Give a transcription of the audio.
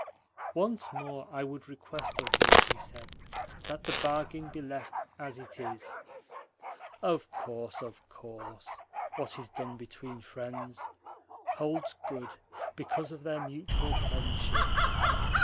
"Once more I would request of you," he said, "that the bargain be left as it is." "Of course, of course. What is done between friends holds good because of their mutual friendship.